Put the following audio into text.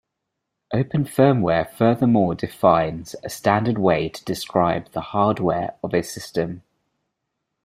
Open Firmware furthermore defines a standard way to describe the hardware of a system.